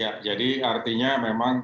ya jadi artinya memang